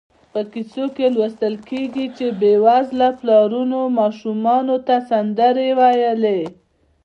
په کیسو کې لوستل کېږي چې بېوزله پلرونو ماشومانو ته سندرې ویلې.